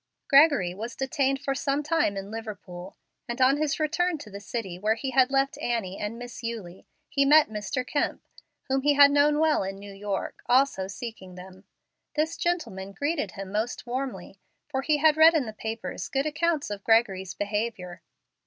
Gregory was detained for some time in Liverpool, and on his return to the city where he had left Annie and Miss Eulie he met Mr. Kemp, whom he had known well in New York, also seeking them. This gentleman greeted him most warmly, for he had read in the papers good accounts of Gregory's behavior.